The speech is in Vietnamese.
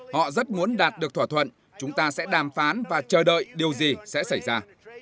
họ rất muốn đạt được thỏa thuận chúng ta sẽ đàm phán và chờ đợi điều gì sẽ xảy ra